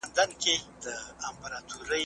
ځان وژنه د مړینې درېیم لوی لامل دی.